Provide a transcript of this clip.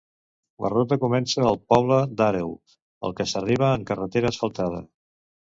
La ruta comença al poble d'Àreu al que s'arriba en carretera asfaltada.